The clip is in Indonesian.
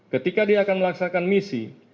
ketika dia akan melaksanakan misi